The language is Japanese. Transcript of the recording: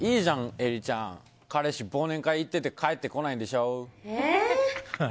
えりちゃん彼氏、忘年会行ってて帰ってこないんでしょ？